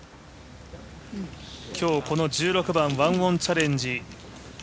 今日この１６番１オンチャレンジ。